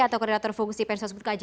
atau konditor fungsi medsos kjri chicago